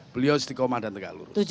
beliau istiqomah dan tegak lurus